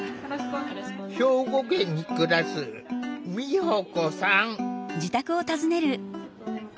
兵庫県に暮らす美保子さん。